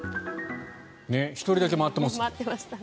１人だけ回ってますね。